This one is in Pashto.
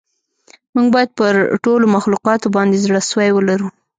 موږ باید پر ټولو مخلوقاتو باندې زړه سوی ولرو.